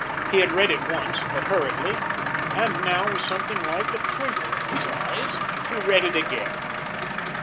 He had read it once, but hurriedly, and now, with something like a twinkle in his eyes, he read it again.